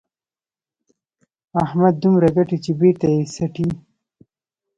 احمد دومره ګټي چې بېرته یې څټي.